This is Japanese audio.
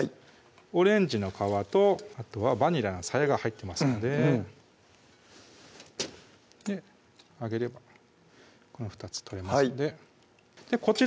オレンジの皮とあとはバニラのさやが入ってますので上げればこの２つ取れますのでこちら